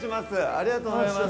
ありがとうございます。